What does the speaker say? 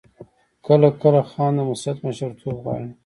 کله کله خان د مسجد مشرتوب غواړي.